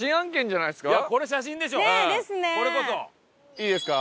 いいですか？